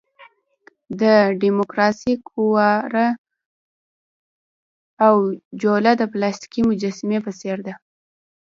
د ډیموکراسۍ قواره او جوله د پلاستیکي مجسمې په څېر ده.